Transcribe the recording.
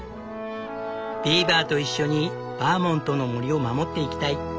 ビーバーと一緒にバーモントの森を守っていきたい。